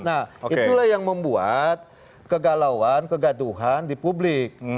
nah itulah yang membuat kegalauan kegaduhan di publik